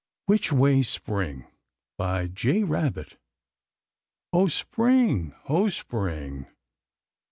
WHICH WAY, SPRING? By J. Rabbit. O Spring, Ho, Spring!